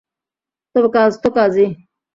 তবে কাজতো কাজই।